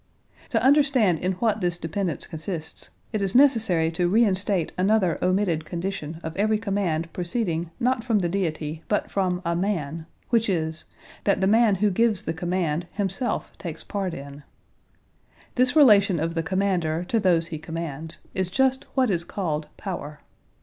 To understand in what this dependence consists it is necessary to reinstate another omitted condition of every command proceeding not from the Deity but from a man, which is, that the man who gives the command himself takes part in the event. This relation of the commander to those he commands is just what is called power.